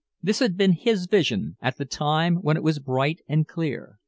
This had been his vision, at the time when it was bright and clear.